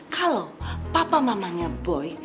kalau papa mamanya boy